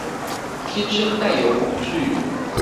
天生帶有恐懼